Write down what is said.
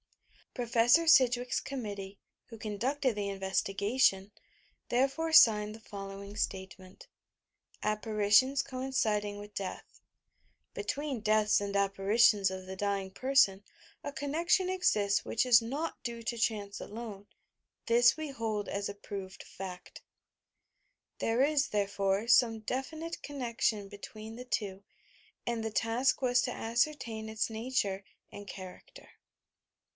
Prof. Sidgwick'a Committee, who conducted the investigation, therefore signed the following statement : APPARITIONS COINCIOING WITH 13EATH "Between deaths and apparitions of the dying person a connnection esists which is not due to chance alone. This we hold as a proved fact." There is, therefore, some definite connection between the two, and the task was to ascertain its nature and character.